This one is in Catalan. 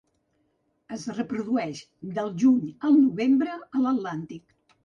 Es reprodueix del juny al novembre a l'Atlàntic.